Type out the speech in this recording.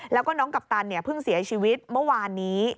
แล้วก็น้องกัปตันเพิ่งเสียชีวิตเมื่อวานนี้